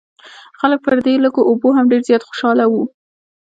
خلک پر دې لږو اوبو هم ډېر زیات خوشاله وو.